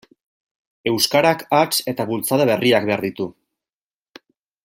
Euskarak hats eta bultzada berriak behar ditu.